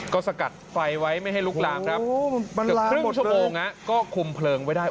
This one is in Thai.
ก็สกัดไฟไว้ไม่ให้ลุกลามครับเกือบครึ่งชั่วโมงก็คุมเพลิงไว้ได้